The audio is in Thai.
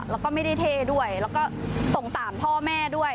แล้วก็ไม่ได้เท่ด้วยแล้วก็สงสารพ่อแม่ด้วย